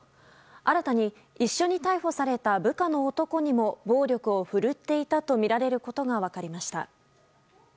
新たに一緒に逮捕された部下の男にも暴力を振るっていたとみられることが分かりました。